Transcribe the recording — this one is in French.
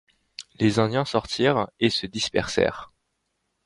Les Indiens sortirent et se dispersèrent.